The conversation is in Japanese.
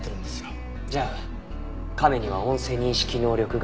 じゃあ亀には音声認識能力がある。